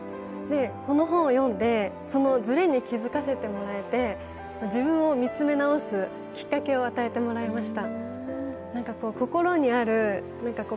この本を読んで、そのズレに気付かせてもらえて、自分を見つめ直すきっかけを与えてもらいました。